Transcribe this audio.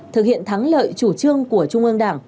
thực hiện thắng lợi chủ trương của trung ương đảng